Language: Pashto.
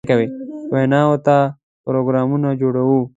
ویناوو ته پروګرامونه جوړوي.